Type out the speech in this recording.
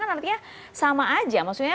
kan artinya sama saja maksudnya